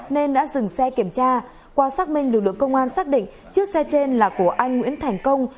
nên đã dừng xe kiểm tra qua xác minh lực lượng công an xác định chiếc xe trên là của anh nguyễn thành công